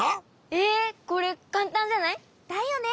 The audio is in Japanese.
ええ！これかんたんじゃない？だよね！